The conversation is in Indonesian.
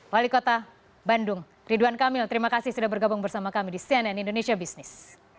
wali kota bandung ridwan kamil terima kasih sudah bergabung bersama kami di cnn indonesia business